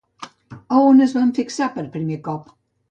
A on es van fixar per primer cop?